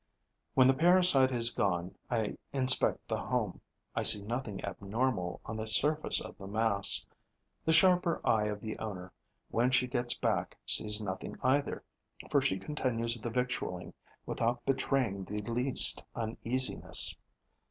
When the parasite is gone, I inspect the home. I see nothing abnormal on the surface of the mass. The sharper eye of the owner, when she gets back, sees nothing either, for she continues the victualling without betraying the least uneasiness.